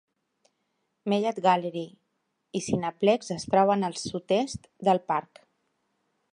Mellat Gallery i Cineplex es troben al sud-est del parc.